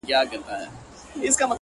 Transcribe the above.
خدای چي له عرسه راکتل ما ورته دا وويل;